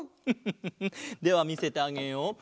フフフフではみせてあげよう。